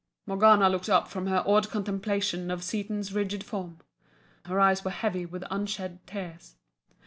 Morgana looked up from her awed contemplation of Seaton's rigid form. Her eyes were heavy with unshed tears.